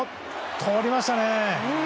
とりましたね。